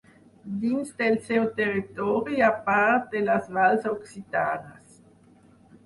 Dins del seu territori hi ha part de les Valls Occitanes.